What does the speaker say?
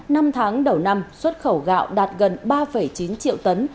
năm tháng đầu năm xuất khẩu gạo đạt gần ba chín triệu tấn